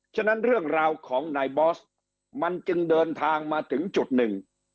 ฉะนั้นเรื่องราวของนายบอสมันจึงเดินทางมาถึงจุดหนึ่ง